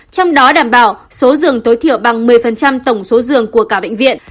trong đó đảm bảo số dường tối thiểu bằng một mươi tổng số dường của cả bệnh viện